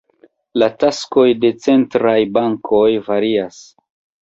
La taskoj de centraj bankoj varias.